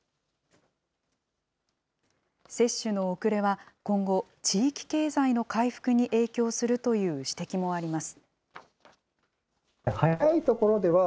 接種の遅れは今後、地域経済の回復に影響するという指摘もあります。